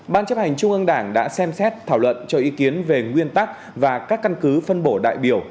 ban chấp hành trung ương đảng đã xem xét thảo luận cho ý kiến về nguyên tắc và các căn cứ phân bổ đại biểu